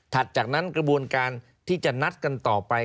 จากนั้นกระบวนการที่จะนัดกันต่อไป